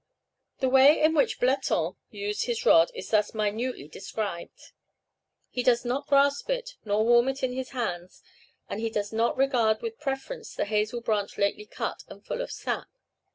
] The way in which Bleton used his rod is thus minutely described: "He does not grasp it, nor warm it in his hands, and he does not regard with preference a hazel branch lately cut and full of sap.